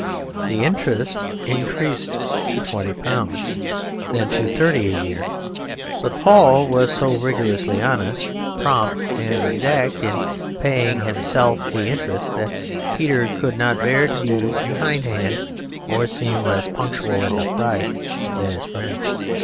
The interest increased to £20 and then to £30 a year, but Paul was so rigorously honest, prompt and exact in paying himself the interest that Peter could not bear to be behindhand or to seem less punctual and upright than his friend.